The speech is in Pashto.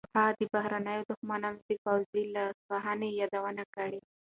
هغه د بهرنیو دښمنانو د پوځي لاسوهنې یادونه کړې.